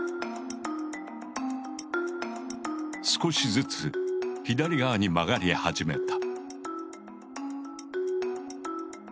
少しずつ左側に曲がり始めた。